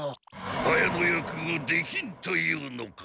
ハエの役ができんというのか？